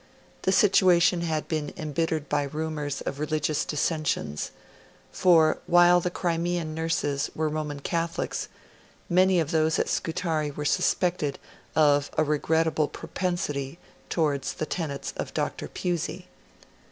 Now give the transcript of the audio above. The situation had been embittered by rumours of religious dissensions, while the Crimean nurses were Roman Catholics, many of those at Scutari were suspected of a regrettable propensity towards the tenets of Dr. Pusey.